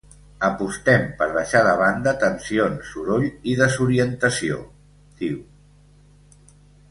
Apostem per deixar de banda tensions, soroll i desorientació, diu.